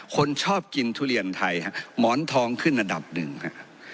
คนชอบกินทุเรียนไทยฮะหมอนทองขึ้นอันดับหนึ่งครับ